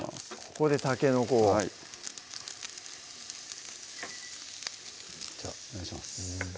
ここでたけのこをじゃあお願いします